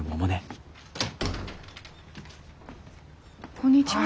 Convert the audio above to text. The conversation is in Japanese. こんにちは。